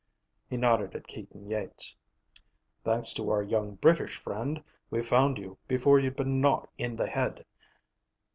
He nodded at Keaton Yeats. "Thanks to our young British friend, we found you before you'd been knocked in the head.